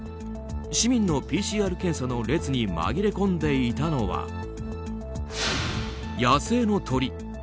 市民のＰＣＲ検査の列に紛れ込んでいたのは野生の鳥。